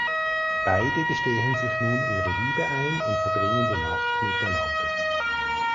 Beide gestehen sich nun ihre Liebe ein und verbringen die Nacht miteinander.